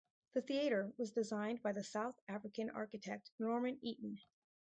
The theatre was designed by the South African architect Norman Eaton.